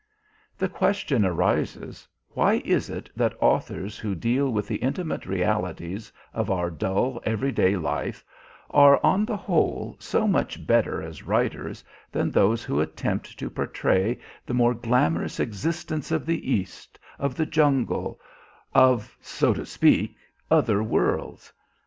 The question arises: Why is it that authors who deal with the intimate realities of our dull, everyday life are, on the whole, so much better as writers than those who attempt to portray the more glamorous existence of the East, of the jungle, of, so to speak, other worlds?